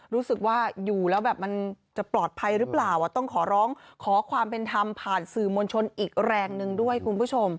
รู้สึกว่าอยู่แล้วแบบมันจะปลอดภัยหรือเปล่าต้องขอร้องขอความเป็นธรรมผ่านสื่อมวลชนอีกแรงหนึ่งด้วยคุณผู้ชม